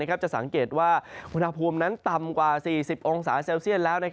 จะสังเกตว่าอุณหภูมินั้นต่ำกว่า๔๐องศาเซลเซียตแล้ว